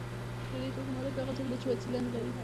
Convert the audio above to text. د دې توکو مالک هغه څوک دی چې وسیله نلري